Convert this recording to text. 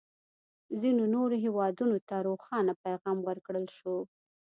ځینو نورو هېوادونه ته روښانه پیغام ورکړل شو.